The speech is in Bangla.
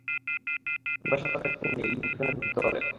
পিপাসার্ত ব্যক্তির ন্যায় ইলম অর্জনে ধাবিত হলেন।